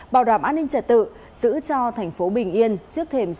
bảo đảm an ninh trẻ tự giữ cho thành phố bình yên